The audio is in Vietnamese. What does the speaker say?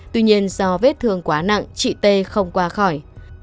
tuy nhiên do vết thương quá nặng chị t không qua khỏi